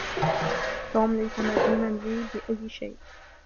توم ليس مدينا لي بأي شيء.